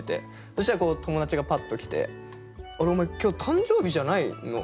そしたら友達がパッと来て「あれ？お前今日誕生日じゃないの？